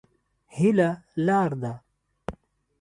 هيله لار ده.